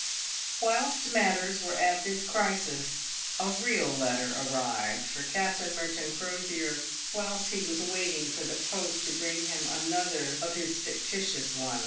329 "Whilst matters were at this crisis, a real letter arrived for Captain Merton Crosier, whilst he was waiting for the post to bring him another of his fictitious one.